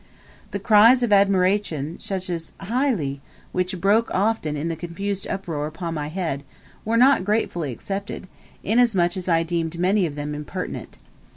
The cries of admiration, such as "Hi le!" which broke often and in confused uproar upon my ear, were not gratefully accepted, inasmuch as I deemed many of them impertinent.